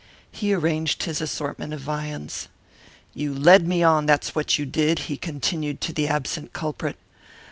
He arranged his assortment of viands. "You led me on, that's what you did," he continued to the absent culprit.